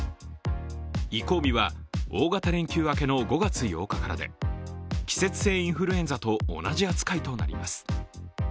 移行日は大型連休明けの５月８日からで季節性インフルエンザと同じ扱いとなります。